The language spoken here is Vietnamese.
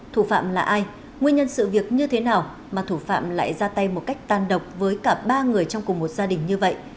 thủ phạm là ai nguyên nhân sự việc như thế nào mà thủ phạm lại ra tay một cách tan độc với cả ba người trong cùng một gia đình như vậy